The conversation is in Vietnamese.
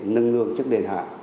nâng ngương trước đền hạ